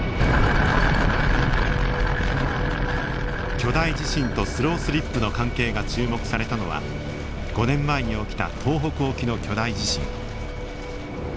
巨大地震とスロースリップの関係が注目されたのは５年前に起きた東北沖の巨大地震。